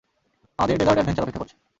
আমাদের desert adventure অপেক্ষা করছে।